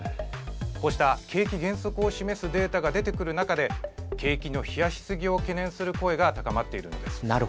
こうした景気減速を示すデータが出てくる中で景気の冷やし過ぎを懸念する声が高まっているんです。